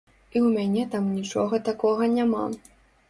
І ў мяне там нічога такога няма.